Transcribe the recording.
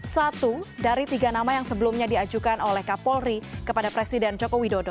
satu dari tiga nama yang sebelumnya diajukan oleh kapolri kepada presiden joko widodo